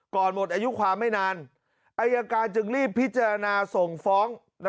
หมดอายุความไม่นานอายการจึงรีบพิจารณาส่งฟ้อง